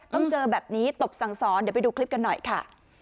ต้องเจอแบบนี้ตบสั่งสอนเดี๋ยวไปดูคลิปกันหน่อยค่ะ